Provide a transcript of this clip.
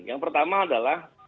yang pertama adalah